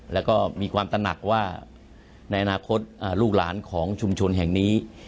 แล้วก็มีความตนักว่าในอนาคตลูกหลานของชุมชนแห่งนี้